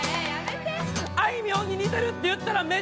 「『あいみょんに似てる』って言ったら」